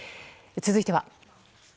続いては。